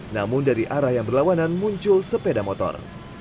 namun dari arah yang berlawanan muncul sepeda motor